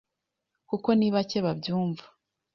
kuko ni bake babyumva